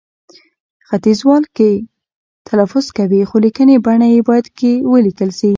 ختیځوال کښې، کې تلفظ کوي، خو لیکنې بڼه يې باید کښې ولیکل شي